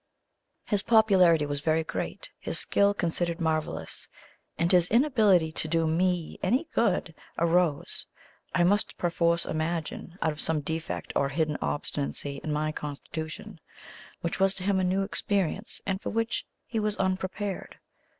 His popularity was very great; his skill considered marvellous; and his inability to do ME any good arose, I must perforce imagine, out of some defect or hidden obstinacy in my constitution, which was to him a new experience, and for which he was unprepared.